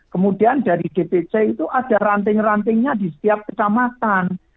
kemudian dari dpc itu ada ranting rantingnya di setiap kecamatan